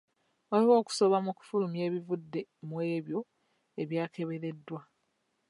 Waliwo okusooba mu kufulumya ebivudde mu ebyo ebyakebereddwa.